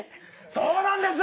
そうなんです。